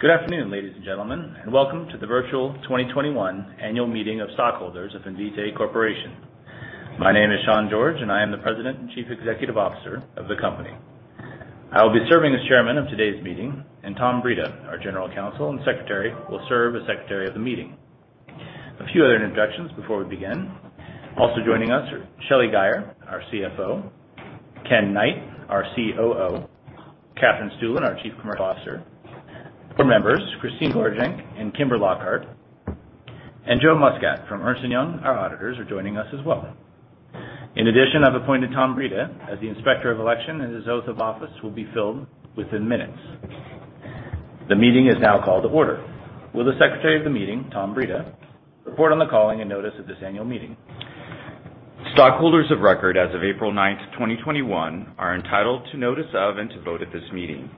Good afternoon, ladies and gentlemen, welcome to the virtual 2021 annual meeting of stockholders of Invitae Corporation. My name is Sean George, I am the President and Chief Executive Officer of the company. I'll be serving as Chairman of today's meeting, Tom Brida, our General Counsel and Secretary, will serve as Secretary of the meeting. A few other introductions before we begin. Also joining us are Shelly Guyer, our CFO, Kenneth Knight, our COO, Katherine Stueland, our Chief Commercial Officer, board members, Christine Gorjanc and Kimber Lockhart, and Joe Muscat from Ernst & Young, our auditors are joining us as well. In addition, I've appointed Tom Brida as the Inspector of Election and his Oath of Office will be filled within minutes. The meeting is now called to order. Will the Secretary of the meeting, Tom Brida, report on the calling and notice of this annual meeting? Stockholders of record as of April 9th, 2021, are entitled to notice of and to vote at this meeting.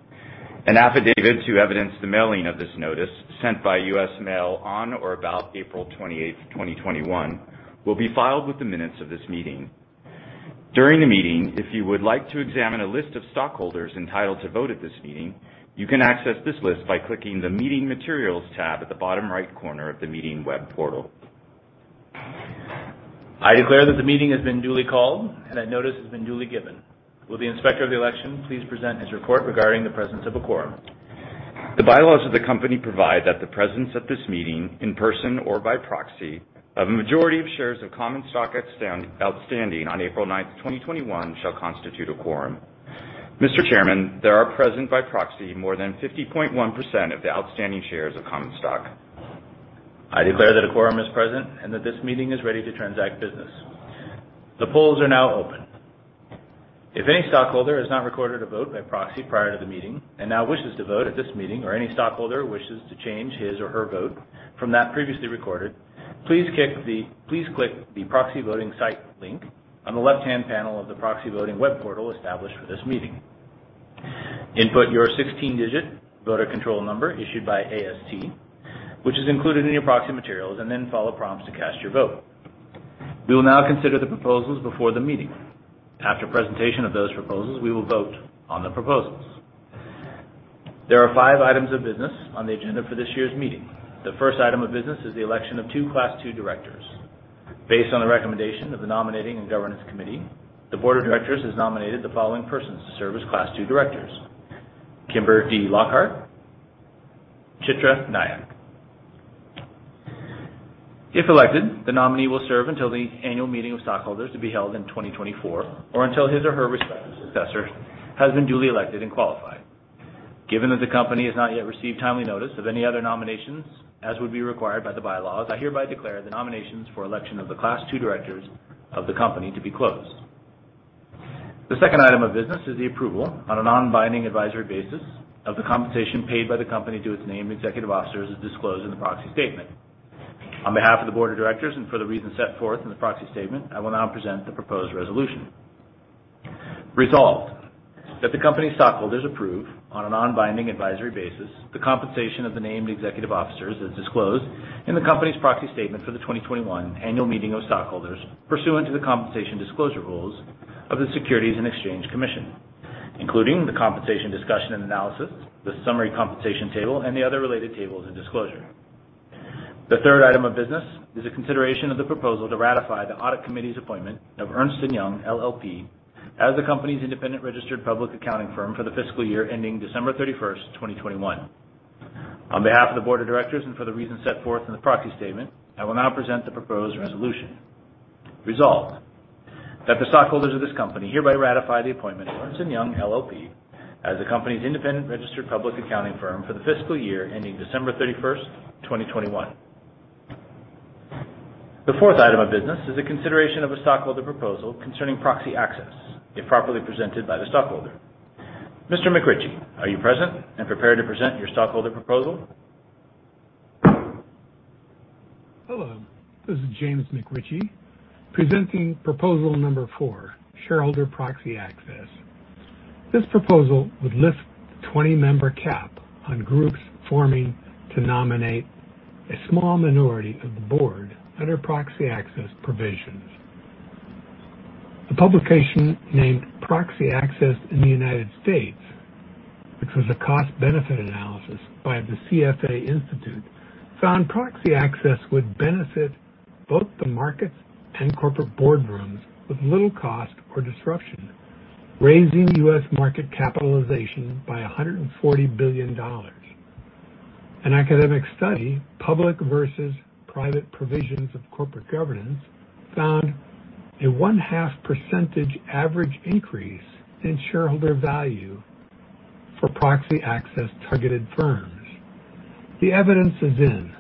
An affidavit to evidence the mailing of this notice, sent by U.S. Mail on or about April 28th, 2021, will be filed with the minutes of this meeting. During the meeting, if you would like to examine a list of stockholders entitled to vote at this meeting, you can access this list by clicking the Meeting Materials tab at the bottom right corner of the meeting web portal. I declare that the meeting has been duly called and that notice has been duly given. Will the Inspector of Election please present his report regarding the presence of a quorum? The bylaws of the company provide that the presence at this meeting, in person or by proxy, of a majority of shares of common stock outstanding on April 9th, 2021, shall constitute a quorum. Mr. Chairman, there are present by proxy more than 50.1% of the outstanding shares of common stock. I declare that a quorum is present and that this meeting is ready to transact business. The polls are now open. If any stockholder has not recorded a vote by proxy prior to the meeting and now wishes to vote at this meeting, or any stockholder wishes to change his or her vote from that previously recorded, please click the proxy voting site link on the left-hand panel of the proxy voting web portal established for this meeting. Input your 16-digit voter control number issued by AST, which is included in your proxy materials, and then follow prompts to cast your vote. We will now consider the proposals before the meeting. After presentation of those proposals, we will vote on the proposals. There are five items of business on the agenda for this year's meeting. The first item of business is the election of two Class II directors. Based on the recommendation of the Nominating and Governance Committee, the Board of Directors has nominated the following persons to serve as Class II directors, Kimber Lockhart, Chitra Nayak. If elected, the nominee will serve until the annual meeting of stockholders to be held in 2024, or until his or her successor has been duly elected and qualified. Given that the company has not yet received timely notice of any other nominations as would be required by the bylaws, I hereby declare the nominations for election of the Class II directors of the company to be closed. The second item of business is the approval on a non-binding advisory basis of the compensation paid by the company to its named executive officers as disclosed in the proxy statement. On behalf of the Board of Directors and for the reasons set forth in the proxy statement, I will now present the proposed resolution. Resolved, that the company stockholders approve on a non-binding advisory basis the compensation of the named executive officers as disclosed in the company's proxy statement for the 2021 annual meeting of stockholders pursuant to the compensation disclosure rules of the Securities and Exchange Commission, including the compensation discussion and analysis, the summary compensation table, and the other related tables and disclosure. The third item of business is the consideration of the proposal to ratify the audit committee's appointment of Ernst & Young LLP as the company's independent registered public accounting firm for the fiscal year ending December 31st, 2021. On behalf of the Board of Directors and for the reasons set forth in the proxy statement, I will now present the proposed resolution. Resolved, that the stockholders of this company hereby ratify the appointment of Ernst & Young LLP as the company's independent registered public accounting firm for the fiscal year ending December 31st, 2021. The fourth item of business is the consideration of a stockholder proposal concerning proxy access, if properly presented by the stockholder. Mr. McRitchie, are you present and prepared to present your stockholder proposal? Hello, this is James McRitchie, presenting proposal number four, shareholder proxy access. This proposal would lift the 20-member cap on groups forming to nominate a small minority of the board under proxy access provisions. The publication named Proxy Access in the U.S., which was a cost-benefit analysis by the CFA Institute, found proxy access would benefit both the markets and corporate boardrooms with little cost or disruption, raising U.S. market capitalization by $140 billion. An academic study, Public Versus Private Provisions of Corporate Governance, found a one-half percentage average increase in shareholder value for proxy access targeted firms. The evidence is in.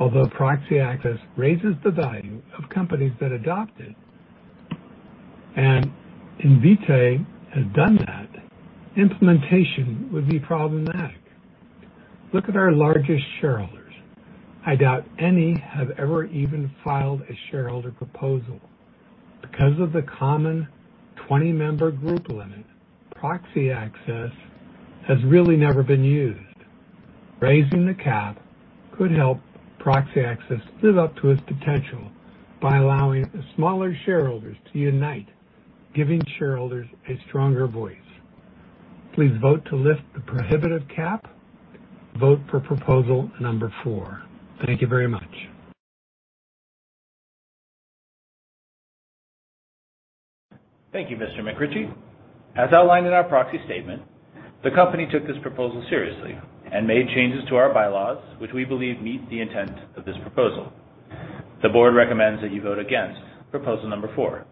Although proxy access raises the value of companies that adopt it, and Invitae has done that, implementation would be problematic. Look at our largest shareholders. I doubt any have ever even filed a shareholder proposal. Because of the common 20-member group limit, proxy access has really never been used. Raising the cap could help proxy access live up to its potential by allowing the smaller shareholders to unite giving shareholders a stronger voice. Please vote to lift the prohibitive cap. Vote for proposal number four. Thank you very much. Thank you, Mr. McRitchie. As outlined in our proxy statement, the company took this proposal seriously and made changes to our bylaws, which we believe meet the intent of this proposal. The board recommends that you vote against proposal number four.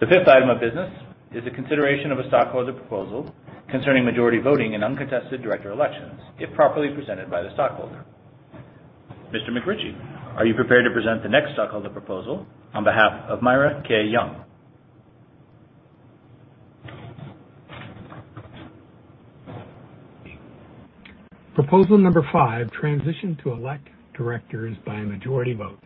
The fifth item of business is a consideration of a stockholder proposal concerning majority voting in uncontested director elections, if properly presented by the stockholder. Mr. McRitchie, are you prepared to present the next stockholder proposal on behalf of Myra K. Young? Proposal number five, transition to elect directors by a majority vote.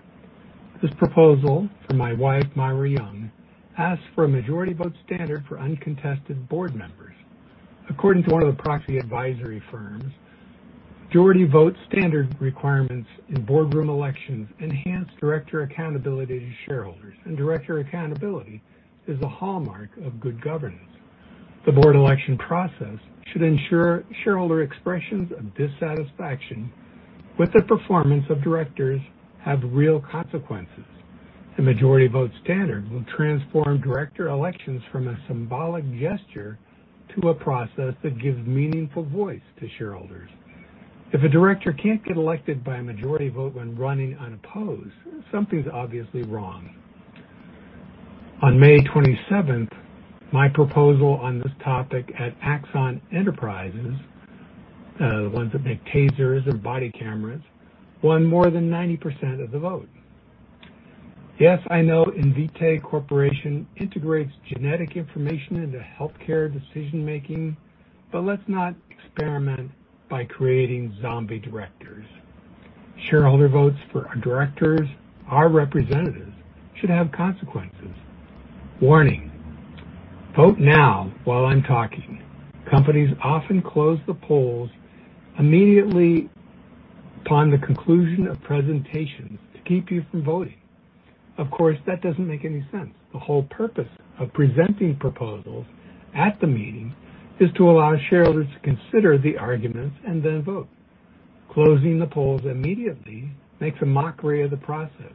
This proposal from my wife, Myra Young, asks for a majority vote standard for uncontested board members. According to one of the proxy advisory firms, majority vote standard requirements in boardroom elections enhance director accountability to shareholders. Director accountability is a hallmark of good governance. The board election process should ensure shareholder expressions of dissatisfaction with the performance of directors have real consequences. The majority vote standard will transform director elections from a symbolic gesture to a process that gives meaningful voice to shareholders. If a director can't get elected by a majority vote when running unopposed, something's obviously wrong. On May 27th, my proposal on this topic at Axon Enterprises, the ones that make tasers or body cameras, won more than 90% of the vote. Yes, I know Invitae Corporation integrates genetic information into healthcare decision-making, but let's not experiment by creating zombie directors. Shareholder votes for directors, our representatives, should have consequences. Warning, vote now while I'm talking. Companies often close the polls immediately upon the conclusion of presentations to keep you from voting. Of course, that doesn't make any sense. The whole purpose of presenting proposals at the meeting is to allow shareholders to consider the arguments and then vote. Closing the polls immediately makes a mockery of the process.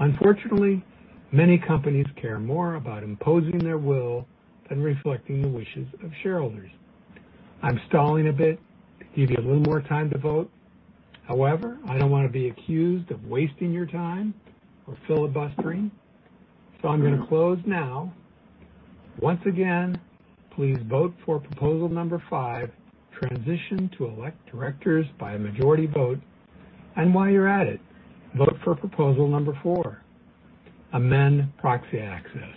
Unfortunately, many companies care more about imposing their will than reflecting the wishes of shareholders. I'm stalling a bit to give you a little more time to vote. I don't want to be accused of wasting your time or filibustering, so I'm going to close now. Once again, please vote for proposal number five, transition to elect directors by majority voting, while you're at it, vote for proposal number four, amend proxy access.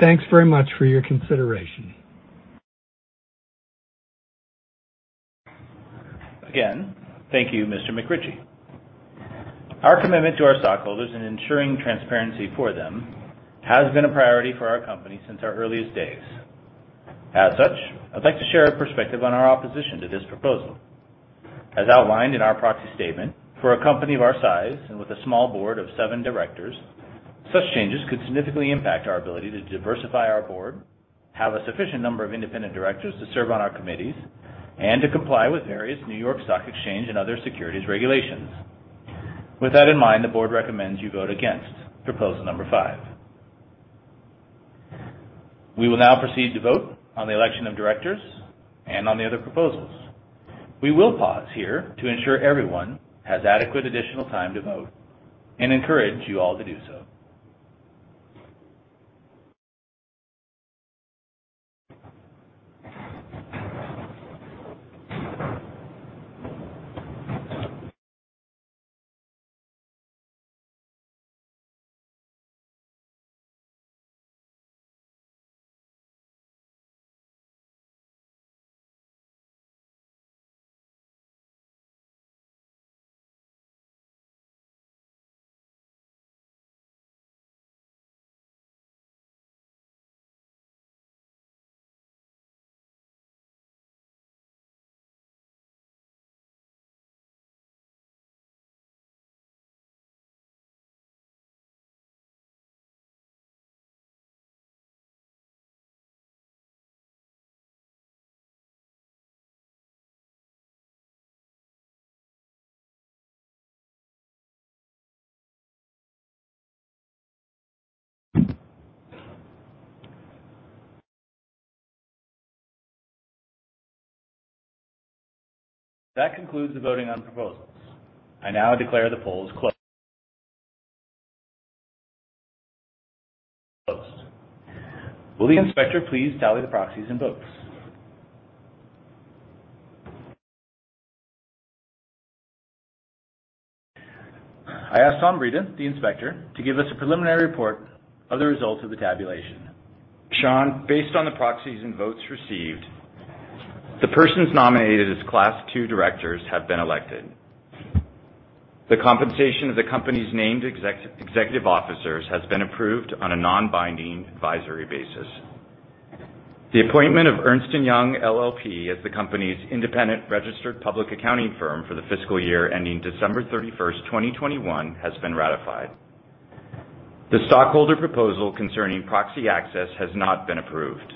Thanks very much for your consideration. Again, thank you, Mr. McRitchie. Our commitment to our stockholders and ensuring transparency for them has been a priority for our company since our earliest days. I'd like to share a perspective on our opposition to this proposal. As outlined in our proxy statement, for a company of our size and with a small board of seven directors, such changes could significantly impact our ability to diversify our board, have a sufficient number of independent directors to serve on our committees, and to comply with various New York Stock Exchange and other securities regulations. With that in mind, the board recommends you vote against proposal number five. We will now proceed to vote on the election of directors and on the other proposals. We will pause here to ensure everyone has adequate additional time to vote and encourage you all to do so. That concludes the voting on proposals. I now declare the polls closed. Will the inspector please tally the proxies and votes? I ask Thomas Brida, the inspector, to give us a preliminary report of the results of the tabulation. Sean, based on the proxies and votes received, the persons nominated as Class II directors have been elected. The compensation of the company's named executive officers has been approved on a non-binding advisory basis. The appointment of Ernst & Young LLP as the company's independent registered public accounting firm for the fiscal year ending December 31st, 2021 has been ratified. The stockholder proposal concerning proxy access has not been approved.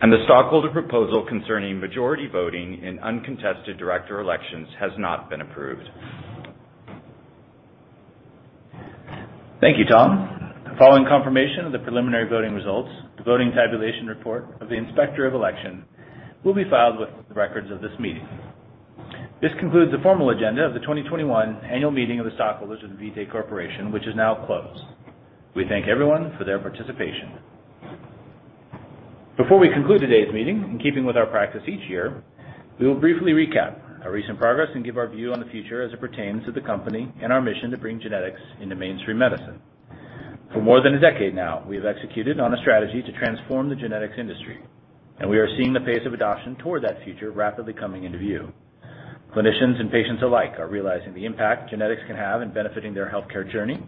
The stockholder proposal concerning majority voting in uncontested director elections has not been approved. Thank you, Tom. Following confirmation of the preliminary voting results, the voting tabulation report of the Inspector of Election will be filed with the records of this meeting. This concludes the formal agenda of the 2021 annual meeting of the stockholders of Invitae Corporation, which is now closed. We thank everyone for their participation. Before we conclude today's meeting, in keeping with our practice each year, we will briefly recap our recent progress and give our view on the future as it pertains to the company and our mission to bring genetics into mainstream medicine. For more than a decade now, we've executed on a strategy to transform the genetics industry, and we are seeing the pace of adoption toward that future rapidly coming into view. Clinicians and patients alike are realizing the impact genetics can have in benefiting their healthcare journey.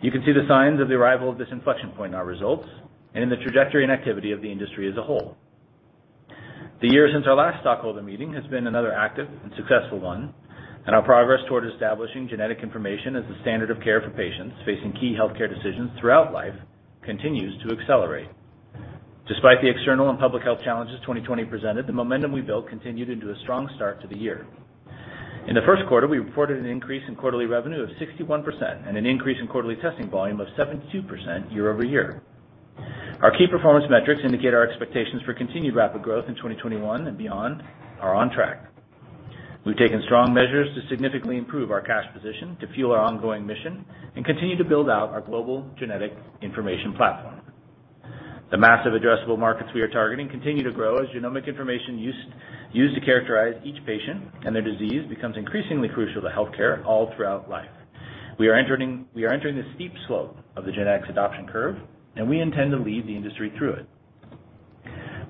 You can see the signs of the arrival of this inflection point in our results and the trajectory and activity of the industry as a whole. The year since our last stockholder meeting has been another active and successful one, and our progress toward establishing genetic information as the standard of care for patients facing key healthcare decisions throughout life continues to accelerate. Despite the external and public health challenges 2020 presented, the momentum we built continued into a strong start to the year. In the first quarter, we reported an increase in quarterly revenue of 61% and an increase in quarterly testing volume of 72% year-over-year. Our key performance metrics indicate our expectations for continued rapid growth in 2021 and beyond are on track. We've taken strong measures to significantly improve our cash position, to fuel our ongoing mission, and continue to build out our global genetic information platform. The massive addressable markets we are targeting continue to grow as genomic information used to characterize each patient and their disease becomes increasingly crucial to healthcare all throughout life. We are entering the steep slope of the genetics adoption curve, and we intend to lead the industry through it.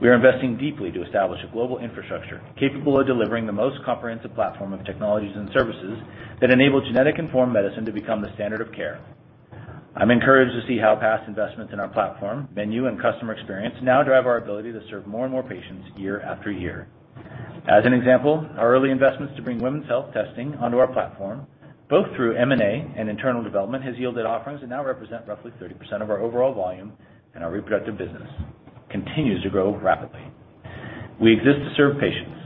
We are investing deeply to establish a global infrastructure capable of delivering the most comprehensive platform of technologies and services that enable genetic-informed medicine to become the standard of care. I'm encouraged to see how past investments in our platform, menu, and customer experience now drive our ability to serve more and more patients year after year. As an example, our early investments to bring women's health testing onto our platform, both through M&A and internal development, has yielded offerings that now represent roughly 30% of our overall volume, and our reproductive business continues to grow rapidly. We exist to serve patients,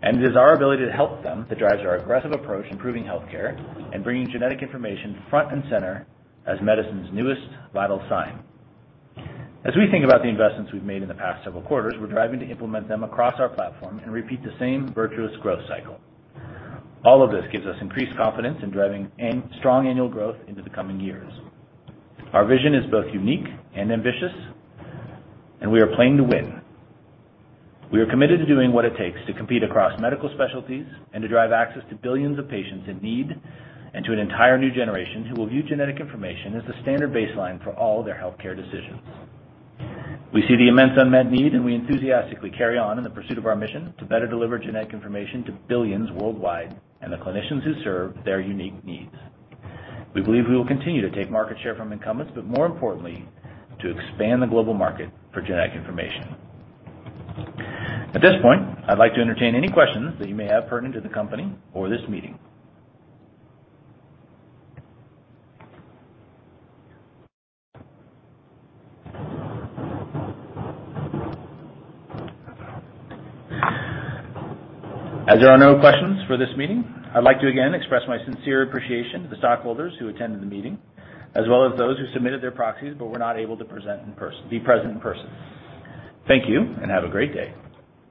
and it is our ability to help them that drives our aggressive approach to improving healthcare and bringing genetic information front and center as medicine's newest vital sign. As we think about the investments we've made in the past several quarters, we're driving to implement them across our platform and repeat the same virtuous growth cycle. All of this gives us increased confidence in driving strong annual growth into the coming years. Our vision is both unique and ambitious, and we are playing to win. We are committed to doing what it takes to compete across medical specialties and to drive access to billions of patients in need, and to an entire new generation who will view genetic information as a standard baseline for all their healthcare decisions. We see the immense unmet need, and we enthusiastically carry on in the pursuit of our mission to better deliver genetic information to billions worldwide and the clinicians who serve their unique needs. We believe we will continue to take market share from incumbents, but more importantly, to expand the global market for genetic information. At this point, I'd like to entertain any questions that you may have pertinent to the company or this meeting. As there are no questions for this meeting, I'd like to again express my sincere appreciation to the stockholders who attended the meeting, as well as those who submitted their proxies but were not able to be present in person. Thank you, and have a great day.